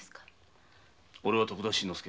おれは徳田新之助。